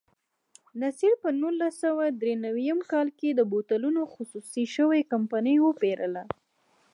نصیر په نولس سوه درې نوي کال کې د بوتلونو خصوصي شوې کمپنۍ وپېرله.